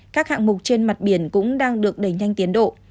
các hạng mục trên mặt biển cũng đang được đẩy nhanh tiến độ